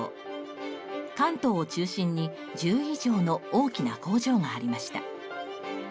関東を中心に１０以上の大きな工場がありました。